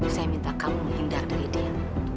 saya minta kamu hindar dari dia